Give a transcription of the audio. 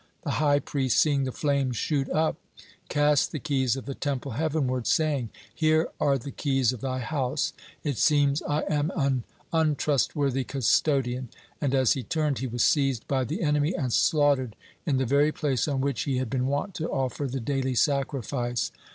The high priest, seeing the flames shoot up, cast the keys of the Temple heavenward, saying: "Here are the keys of Thy house; it seems I am an untrustworthy custodian," and, as he turned, he was seized by the enemy and slaughtered in the very place on which he had been wont to offer the daily sacrifice.